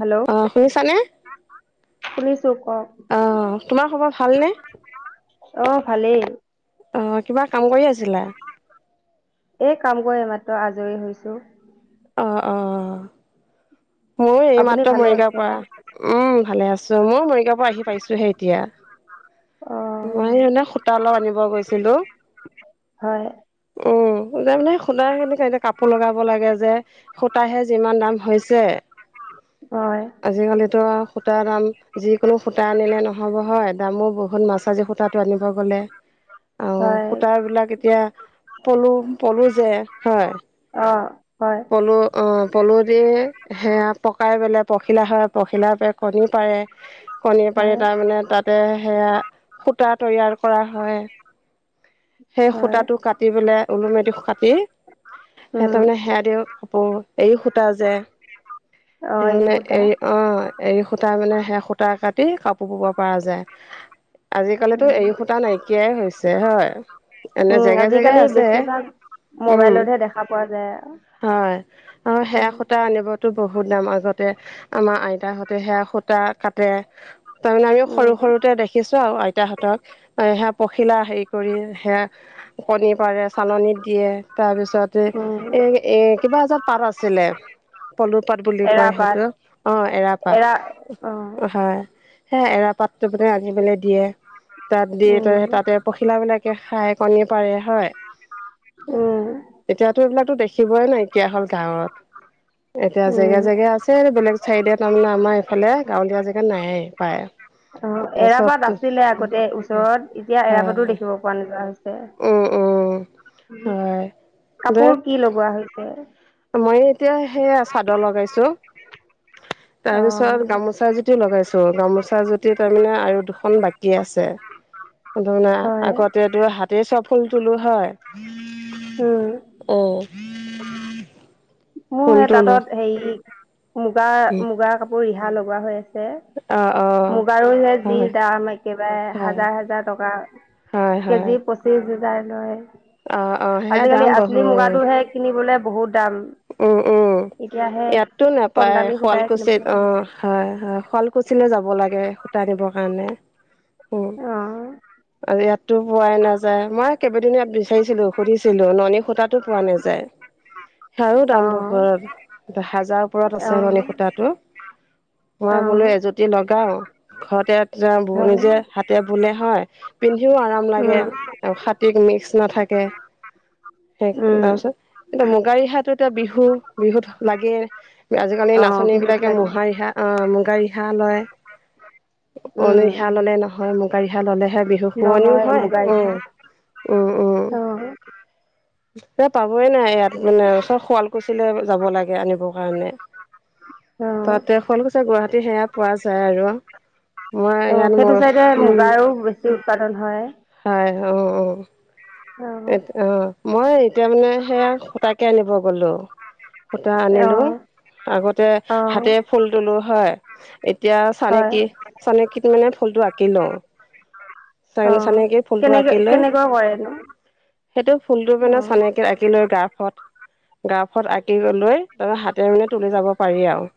Hello অ শুনিছা নে। শুনিছো ক তোমাৰ খবৰ ভালনে অ ভালেই, অ কিবা কাম কৰি আছিলা। এই কাম কৰি মাত্ৰ আজৰি হৈছো। অ অ মোৰ আপুনি এইমাত্ৰ ভালে মৰিগাঁৱ আছে পৰা। উম ভালে আছো মই মৰিগাঁৱৰ পৰা আহি পাইছোহে এতিয়া। অ মই মানে সূতা অলপ আনিব গৈছিলো হয় উম তাৰ মানে। সূতা খিনি এ কাপোৰ লগাব লাগে যে সূতাহে যিমান দাম হৈছে। হয়। আজিকালিতো সূতাৰ দাম যিকোনো সূতা আনিলে নহ'ব হয় দামো বহুত মাছ কাজি সূতাটো আনিব গ'লে। আৰু হয় সূত বিলাক এতিয়া পলু পলু যে হয়। অ হয়। অঁ পলু দি সেয়া পকাই পেলাই পখিলা হয় পখিলা পৰা কণী পাৰে- কণী পাৰে হয় তাৰমানে তাতে সেয়া- সূতা তৈয়াৰ কৰা হয়, সেই হয় সূতাটো কাটি পেলায় - ওলু মেটি কাটি- সেই উম তাৰ মানে সেয়া দিওঁ কাপোৰ এ সূতা যে- অ সেই এৰি মানে সূতা এৰী অ এৰী সূতা মানে সেই সূতা কাটি কাপোৰ বব পৰা যায়। আজিকালিতো উম এৰী সূতা নাইকিয়াই হৈছে হয়, এনে উম জেগাই আজিকালি জেগাই আছে। বেছিভাগ উম মোবাইলতহে দেখা পোৱা যায়। তে- হয়, অ সেয়া- সূতা আনিবতো বহুত দাম আগতে আমাৰ আইতাহঁতে সে সূতা কাটে। তাৰমানে আমিও উম সৰু সৰুতে দেখিছো আৰু আইতাহঁতক সেয়া পখিলা হেৰি- কৰি সেয়া কণী পাৰে চালনী দিয়ে তাৰপিছতে- উম এ এ কিবা এটা পাত আছিলে। পলু পাট বুলি কয় এৰাপাত সেইটো অ এৰা পাট। অ হয়, সে এৰা পাতটো মানে আনি পেলাই দিয়ে। তাত দি ত উম তাতে পখিলা বিলাকে খাই কণী পাৰে হয়। উম। এতিয়াতো এইবিলাকো দেখিবই নাইকিয়া হ'ল গাঁৱত, এতিয়া জেগা উম জেগা আছে বেলেগ- চাৰিদিয়ে তাৰমানে আমাৰ এইফালে গাঁৱলীয়া জেগাত নাই প্ৰায়। অ এৰাপাত আছিলে আগতে ওচৰত এতিয়া এৰাপাতো হয় দেখিব পোৱা নোযোৱা হৈছে। উম উম হয়। দে কাপোৰ কি লগোৱা হৈছে? মই এতিয়া সেয়া চাদৰ লগাইছো, অ তাৰপিছত গামোচা এ- জুতি লগাইছো গামোচা যুতি তাৰমানে আৰু দুখন বাকী আছে। ফুল‌তো মানে হয় আগতেতো হাতেই চব ফুল তুলো হয়। উম। উম। মোৰ ফুল সেই তোলো তাঁতত হেৰি, মুগাৰ মুগাৰ কাপোৰ ৰিহা লগোৱা হৈ আছে। অ', অ'। মুগাৰু হে যি হয় দাম একেবাৰে হয় হাজাৰ হাজাৰ টকা। হয় হয়। হজাৰ লয়, অ অ সেয়া আজিকালি দাম আচলি বহুত মুগাটোহে কিনিবলৈ বহুত দাম। উম, উম, এতিয়াহে ইয়াতটো কম নাপায় দামী সূতাই কিনিব শুৱালকুছিত লগা হৈছে অ'। হয় হয় শুৱলকুছিলৈ যাব লাগে সূতা আনিবৰ কাৰণে। উম, অ আৰু ইয়াতো পোৱাই নাযায় মই- কেইবদিন ইয়াত বিচাৰিছিলো সুধিছিলো ননী সূতাতো পোৱা নাযায়। সেইবাৰো দাম অ বহুত হাজাৰ ওপৰত আছে ননী অ সূতাটো। মই বোলো অ এজুতি লগাও, ঘৰতে বম হয় নিজে হাত হাতে বোলে হয়, পিন্ধিও আৰাম লাগে। উম আৰু হাতীক মিক্স নাথাকে, সেই উম তাৰপিছত কিন্তু মুগা ৰিহাত এতিয়া টো বিহু, বিহুত লাগে আজিকালি অ নাচনী বিহুত বিলাকে লাগে মুগা ৰিহা। অ' মুগা ৰিহা লয়, অন উম ৰিহা ল'লে নহয় মুগা ৰিহা ল'লে বিহু শুৱনিও নহয় হয়, মুগাৰ উম, বিহু। উম, উম। অ এ পাবই নাই এইয়াত মানে চব শুৱালকুছিলৈ যাব লাগে আনিবৰ কাৰণে অ তাত তে শুৱালকুছি, গুৱাহাটী সেয়া পোৱা যায় আৰু মই অ' ইয়াত সেইটো মোৰ চাইডে উম মুগাৰো বেছি উৎপাদন হয়। হয় অ অ অ এ অ মই এতিয়া মানে সেয়া সূতাকে আনিব গ'লো। সূতা অ আনিলো আগতে অ হাতেৰে ফুল তুলো হয়। এতিয়া হয় চানেকী চানেকীত মানে ফুলটো আঁকি লওঁ। চা অ চানেকিত ফুলটো কেনেকে আঁকি লৈ। [unintelligible] সেইটো ফুলটো অ মানে চানেকীত আঁকি লৈ গাফত গাফত আঁকি লৈ তাৰ হাতে মানে তুলি যাব পাৰি আৱ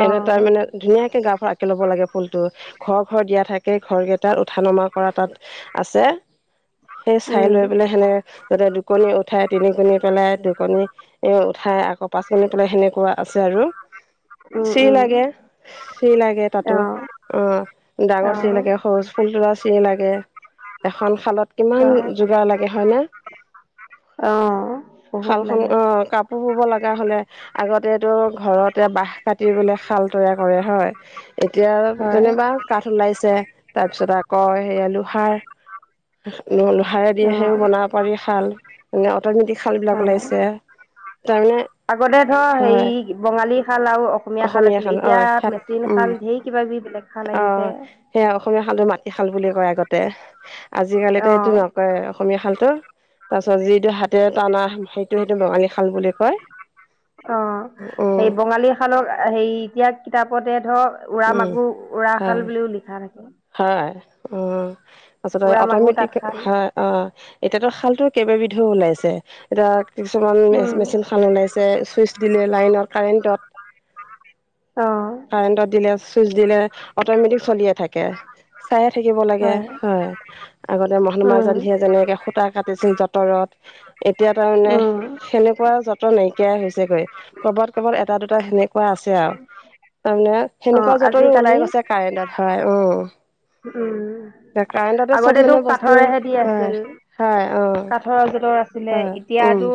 অ এনে তাই মানে ধুনীয়াকে গাফত আঁকি ল'ব লাগে ফুলটো ঘৰ ঘৰ দিয়া থাকে ঘৰ কেইটাত উঠা নমা কৰা তাত আছে সেই চাই উম লৈ পেলাই সেনেকে যাতে দুকণী উঠাই তিন কণী পেলাই দুকণী এ উঠাই আকৌ পাচনি পেলাই সেনেকুৱা আছে আৰু উম চি উম লাগে। চি লাগে অ তাতো অ অ ডাঙৰ চি লাগে সৰু ফুল তুলা চি লাগে এখন শাল কিমান অ যোগাৰ লাগে হয় না অ বহুত শালখন লাগে অ কাপ কাপোৰ বব লগা হ'লে আগতেটো ঘৰতে বাহ কাটি বলে শাল তৈয়াৰ কৰে হয়। এতিয়া হয় যেনিবা কাঠ ওলাইছে তাৰপিছত আকৌ হেৰি আ লোহাৰ লোহাৰে অ দিয়ে সেয়ো বনাব পাৰি শাল এ অটমেটিক শাল বিলাক অ ওলাইছে। তাৰমানে আগতে ধৰ হয় হেৰি বঙালী শাল আৰু অসমীয়া শাল আছিলে অ এতিয়া সেয়াত মেচিন উম শাল ধেৰ কিবা কিবি বেলেগ শাল অ আহিছে। সেয়া অসমীয়া শালটো মাটিশাল বুলি কয় আগতে আজিকালিতো এইটো অঁ কয় অসমীয়া শালতো তাৰপিছত যি এইটো হাতে টানা সেইটো সেইটো বাঙালী শাল বুলি কয় উম শালক হেৰি এতিয়া কিতাপতে ধৰক উৰা উম মাকুৰ উৰাশাল হয় বুলিও লিখা থাকে। হয় উম তাৰপিছত উৰা মাকো অটমেটিক তাঁতশাল হয় অ' এতিয়াতো শালতো কেইবাবিধও ওলাইছে এতিয়া কিছুমান মে মেচিন শাল ওলাইছে ছুইচ দিলে লাইনত কাৰেণ্টত। অ কাৰেণ্টত দিলে চুইচ দিলে অট'মেটিক চলিয়ে থাকে। চাইয়ে থাকিব লাগে হয়। আগতে মহাত্মা গান্ধীয়ে যেনেকে সূতা কাটিছিল যঁতৰত এতিয়া তাৰমানে সেনেকুৱা যঁতৰ নাইকিয়াই হৈছেগৈ ক'বাত ক'বাত এটা দুটা সেনেকুৱা আছে আৱ তাৰমানে অঁ সেনেকুৱা যঁতৰো আজিকালি ওলাই গৈছে কাৰেণ্টত হয় উম উম কাৰেণ্টতে চব আগতেটো মানে বস্তু কাঠৰহে দি হয় আছিল। হয় অঁ কাঠৰ যঁতৰ আছিলে হয় উম, এতিয়াতো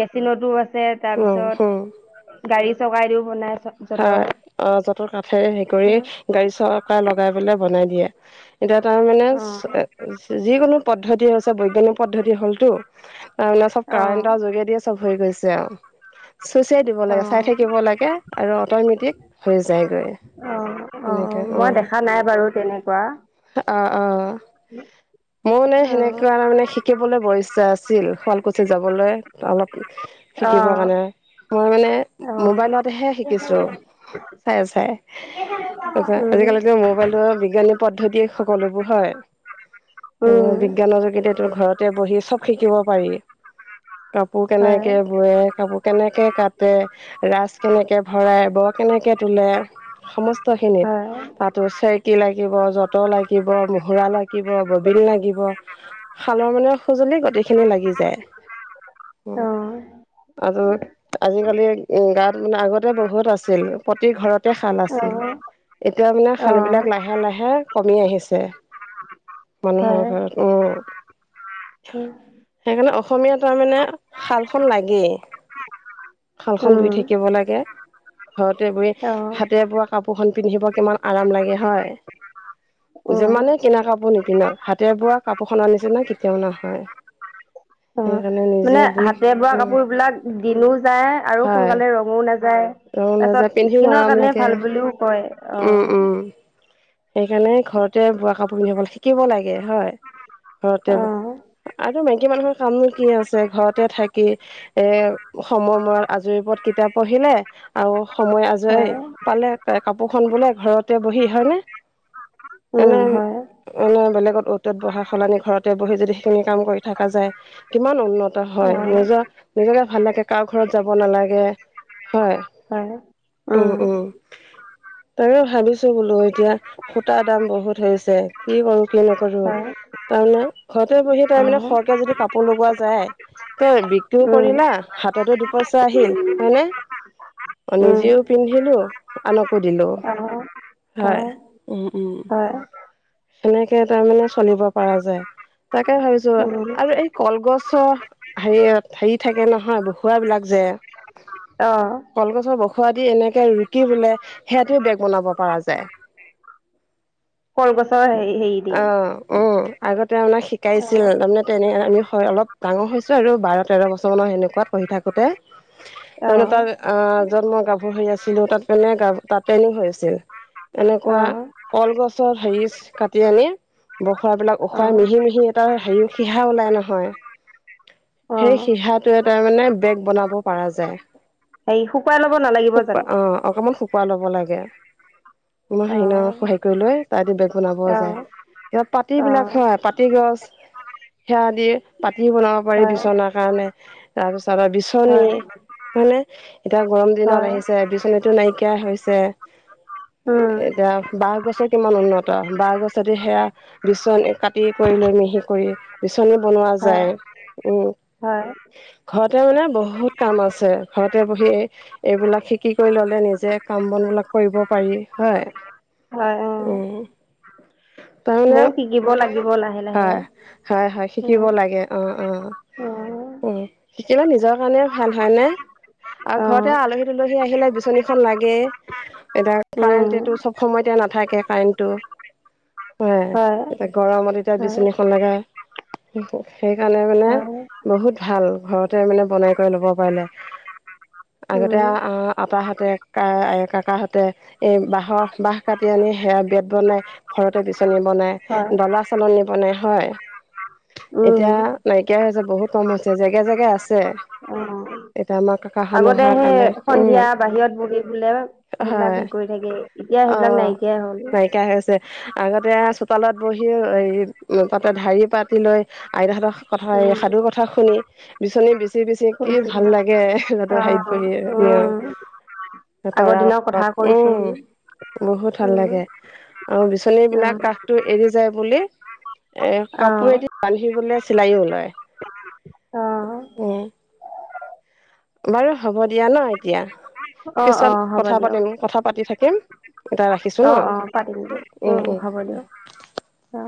মেচিনতো আছে উম, উম। তাৰপিছত গাড়ী চকাই দিওঁ বনাই। হয় যঁতৰ অ যতৰ কাঠে হেৰি অ', কৰি গাড়ী চকা লগাই পেলাই বনাই দিয়ে। এতিয়া তাৰ মানে অ', যিকোনো পদ্ধতি হৈছে বৈজ্ঞানিক পদ্ধতি হ'লটো। তাৰ মানে চব অ', কাৰেণ্টৰ যোগেদিয়ে চব হৈ গৈছে চুইচহে দিব লাগে চাই থাকিব লাগে। আৰু অট'মেটিক হৈ যায়গৈ। অ', অ' মই দেখা নাই বাৰু তেনেকুৱা। অ', অ' মইও মানে অ', সেনেকুৱা তাৰ মানে সিক শিকিবলে বৰ ইচ্ছা আছিল। শুৱালকুছি যাবলৈ অলপ শিকিবৰ অ', কাৰণে, মই মানে অ', মোবাইলতহে শিকিছো। চাই, চাই। তাৰপিছত উম, আজিকালিটো মোবাইলটো বিজ্ঞানী পদ্ধতিয়ে সকলোবোৰ হয়। উম, তহ বিজ্ঞানৰ যোগেদি ঘৰত তে বহি চব শিকিব পাৰি, কাপোৰ হয়, কেনেকে বয়ে কেনেকে কাটে, ৰাচ কেনেকে ভৰাই, ব' কেনেকে তোলে সমস্ত খিনিত হয়, তাতো চেৰেকি লাগিব, যত ত লাগিব, মুহুৰা লাগিব, ববিন লাগিব। শালৰ মানে সঁজুলি গোটেইখিনি লাগি যায়। অ। আৰু আজিকালি গাঁৱত মানে, আগতে বহুত আছিল, প্ৰতি ঘৰতে শাল আছিল। এতিয়া মানে অ', শালবিলাক অ', লাহে লাহে কমি আহিছে, মানুহৰ হয়, ঘৰত অ। উম, সেইকাৰণে অসমীয়া তাৰ মানে শালখন লাগেই। শালখন ধুই উম, থাকিব লাগে। ঘৰতে বহি অ', হাতে বোৱা কাপোৰখন পিন্ধিব কিমান আৰাম লাগে হয়। উম, যিমানে কিনা কাপোৰ নিপিন্ধক হাতেৰে বোৱা কাপোৰখনৰ নিছিনা কেতিয়াও নহয়। অ'। সেইকাৰণে নি মানে হাতেৰে বোৱা কাপোৰ বিলাক দিনো যায় আৰু হয় সোনকালে ৰঙো নাযায়। ৰং নাযায় তাৰপিছত পিন্ধিও স্কিনৰ আৰাম কাৰণে লাগে ভাল বুলিও কয়, উম উম অ'। সেইকাৰণে ঘৰতে বোৱা কাপোৰ পিন্ধিব লাগে, শিকিব লাগে হয়। ঘৰতে বো, অ', আৰু মাইকী মানুহৰ কামনো কি আছে ঘৰত তে থাকি এ সময় মূৰত আজৰি পৰত কিতাপ পঢ়িলে আৰু সময় আজৰি হয়, পালে কাপোৰখন বোলে ঘৰতে বহি হয় নে? উম, এনেই হয়, মানে বেলেগত অত-তত বহা সলনি, ঘৰতে বহি যদি সেইখিনি কাম কৰি থকা যায় কিমান উন্নত হয়, অ'। নিজৰ-নিজকে ভাল লাগে কাৰো ঘৰত যাব নালাগে। হয় হয়। উম, উম তাকে ভাবিছো বোলো এতিয়া সূতা দাম বহুত হৈছে। কি কৰো, কি নকৰো হয় তাৰমানে ঘৰতে বহি তাৰমানে আহ সৰহকে যদি কাপোৰ লগোৱা যায় ত' বিক্ৰীও উম কৰিলা, হাততো দু-পইচা আহিল হয়নে। অ' উম নিজেও পিন্ধিলো, আনকো দিলো, আহ হয়। উম উম হয় সেনেকে তাৰমানে চলিব পৰা যায় তাকে ভাবিছো উম আৰু এই কলগছৰ হেৰি হেৰি থাকে নহয় বহুৱা বিলাক যে অ কলগছৰ বখুৱা দি এনেকে ৰুকি বোলে সেইয়া দিও বেগ বনাব পৰা যায়। কলগছৰ হেৰি হেৰি দি অ অ। আগতে আমাক অ শিকাইছিল তাৰমানে তেনে আমি হয় অলপ ডাঙৰ হৈছোঁ আৰু বাৰ তেৰ বছৰমানৰ সেনেকুৱাত পঢ়ি থাকোঁতে অ তাৰমানে তাত আহ, যত মই কপোৰ ধুই আছিলো, তাত মানে কা-তাত ট্ৰেইনিং হৈ আছিল। এনেকুৱা কলগছৰ সেৰিছ কাট টি আনি বখৰা বিলাক অ উখহাই মিহি-মিহি এটা হেৰি, সিহা ওলাই নহয়। অ সেই সিহাটোৱে এটাৰ মানে, বেগ বনাব পাৰা যায়। হেৰি শুকুৱাই ল'ব নালাগিব শুক জানো অ অকমান শু পোৱা ল'ব লাগে মই অ হেৰি ন সহায় কৰি লৈ তাই এতিয়া বেগ বনাব অ যায় ইয়াত পাতি অ বিলাক হা পাতি গছ সেৱা দিয়ে পাতি বনাব পাৰি হয় বিচনাৰ কাৰণে তাৰপিছত আৰু বিচনী হয় হয় নে এতিয়া গৰম দিনত হয় আহিছে বিচনীটো নাইকিয়া হৈছে উম এতিয়া বাঁহ গছৰ কিমান উন্নত বাহ গছ যদি সেয়া বিচনী কাটি কৰি লৈ মিহি কৰি বিচনী বনোৱা হয় যায়। উম হয় ঘৰতে মানে বহুত কাম আছে ঘৰতে বহি এইবিলাক শিকি কৰি ল'লে নিজে কাম বন বিলাক কৰিব পাৰি হয়। উম তাৰমানে ময়ো শিকিব লাগিব লাহে লাহে হয় হয় হয় শিকিব উম লাগে অ অ উম শিকিবা নিজৰ কাৰণে ভাল হয় নে আও অ ঘৰতে আলহী তুলহী আহিলে বিচনীখন লাগে এতিয়া উম কাৰেণ্টেটো সব সময়তে নাথাকে কাৰেণ্টটো হয়ে, হয় এতিয়া গৰমত এতিয়া হয় বিচনীখন লাগে সেইকাৰণে মানে হয় বহুত ভাল ঘৰতে মানে বনাই কৰাই ল'ব পাৰিলে আগতে উম আহ আপাহঁতে কা এ কাকাহঁতে এ বাঁহৰ বাহ কাটি আনি সেয়া বেত বনাই ঘৰতে বিচনী হয় বনাই ডলা, চালনী বনায় হয় উম এতিয়া নাইকিয়া হৈছে বহুত কম হৈছে জেগাই জেগাই আছে অ এতিয়া আমাৰ কা আগতে সেই সন্ধিয়া বাহিৰত বহি বোলে সেইবিলাক হয় হেৰি কৰি থাকে এতিয়া সেইবিলাক অ', নাইকিয়াই হ'ল নাইকিয়া হৈ আছে আগতে আ চোতালত বহি আ এই তাতে ঢাৰি পাতি লৈ আইতাহঁতক কথাই উম সাধুৰ কথা শুনি বিচনী বিচি বিচি কি ভাল শুনিছিলো লাগে অ সিহঁতৰ হাইত বহিয়ে ঞ উম আগৰ তৰা দিনৰ কথা বাত কৈছিল উম বহুত ভাল উম লাগে আও বিচনী অ বিলাক কাষটো এৰি যায় বুলি এ কাপোৰেদি অ বান্ধিবলৈ চিলাইও ওলায় অহ বাৰু হ'ব দিয়া ন এতিয়া অ অ পিছত হ'ব কথা দিয়ক পাতিম কথা পাতি থাকিম এতিয়া ৰাখিছোঁ ন অ অ পাতিম উম হ'ব দিয়ক অ